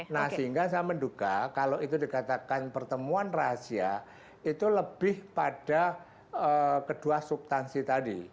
nah sehingga saya menduga kalau itu dikatakan pertemuan rahasia itu lebih pada kedua subtansi tadi